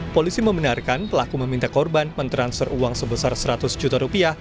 polisi membenarkan pelaku meminta korban mentransfer uang sebesar seratus juta rupiah